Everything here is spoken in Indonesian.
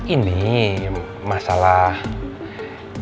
ini masalah yang